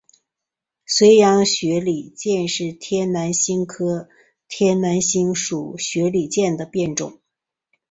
绥阳雪里见是天南星科天南星属雪里见的变种。